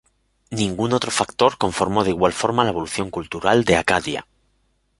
Ningún otro factor conformó de igual forma la evolución cultural de Acadia.